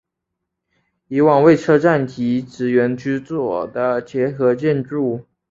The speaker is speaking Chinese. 以往为车站及职员居所的结合建筑。